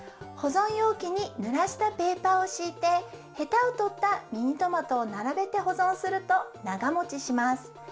ほぞんようきにぬらしたペーパーをしいてヘタをとったミニトマトをならべてほぞんするとながもちします。